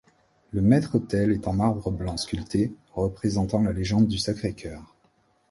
Le maître-autel est en marbre blanc sculpté représentant la légende du Sacré-Cœur.